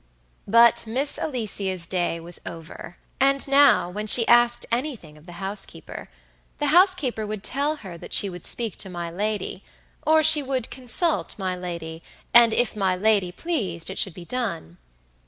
But Miss Alicia's day was over; and now, when she asked anything of the housekeeper, the housekeeper would tell her that she would speak to my lady, or she would consult my lady, and if my lady pleased it should be done.